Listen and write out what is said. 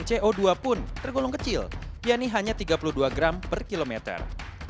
dan mobil yang dibuang co dua pun tergolong kecil yaitu hanya tiga puluh dua gram per kilometer